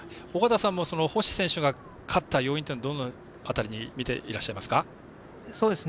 尾方さんは星選手が勝った要因はどの辺りに見ていらっしゃいますか？